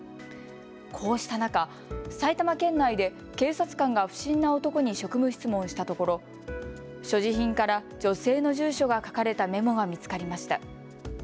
こうした中、埼玉県内で警察官が不審な男に職務質問したところ所持品から女性の住所が書かれたメモが見つかりました。